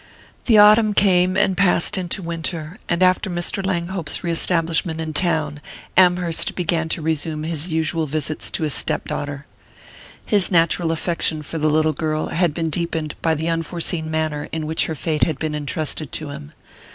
The autumn came and passed into winter; and after Mr. Langhope's re establishment in town Amherst began to resume his usual visits to his step daughter. His natural affection for the little girl had been deepened by the unforeseen manner in which her fate had been entrusted to him.